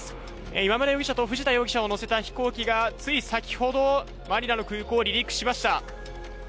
今村容疑者と藤田容疑者を乗せた飛行機が、つい先ほど、マニラの空港を離陸しました。